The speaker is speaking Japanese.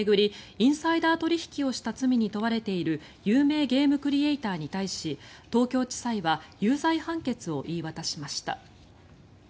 インサイダー取引をした罪に問われている有名ゲームクリエーターに対し東京地裁は有罪判決を言い渡しました。